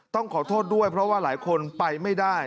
ต้องขอโทษด้วยเพราะว่าหลายคนไปไม่ได้